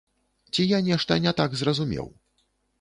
Ці я нешта не так зразумеў?